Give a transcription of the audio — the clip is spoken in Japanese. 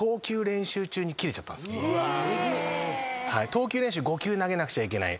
投球練習５球投げなくちゃいけない。